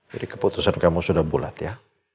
jadi keputusan kamu sudah bulat ya